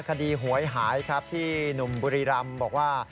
หวยหายครับที่หนุ่มบุรีรำบอกว่า